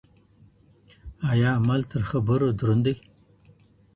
آیا عمل تر خبرو دروند دی؟